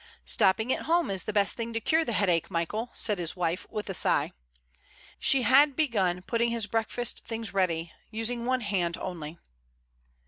"Stopping at home is the best thing to cure the headache, Michael," said his wife, with a sigh. She began putting his breakfast things ready, using one hand only.